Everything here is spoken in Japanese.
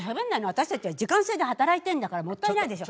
私たちは時間制で働いてんだからもったいないでしょ。